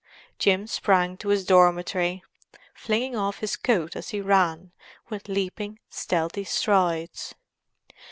Jim sprang to his dormitory, flinging off his coat as he ran with leaping, stealthy strides.